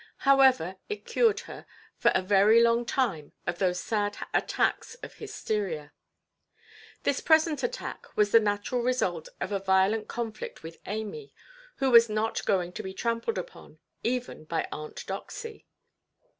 However, it cured her, for a very long time, of those sad attacks of hysteria. This present attack was the natural result of a violent conflict with Amy, who was not going to be trampled upon, even by Aunt Doxy.